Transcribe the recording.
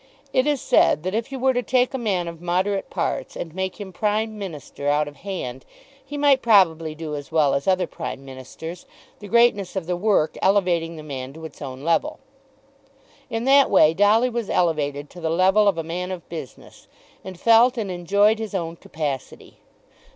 It is said that if you were to take a man of moderate parts and make him Prime Minister out of hand, he might probably do as well as other Prime Ministers, the greatness of the work elevating the man to its own level. In that way Dolly was elevated to the level of a man of business, and felt and enjoyed his own capacity.